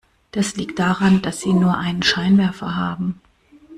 Das liegt daran, dass sie nur einen Scheinwerfer haben.